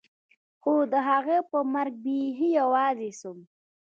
خو د هغه په مرګ بيخي يوازې سوم.